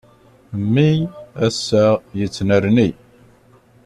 Mmi ass-a yettnerni.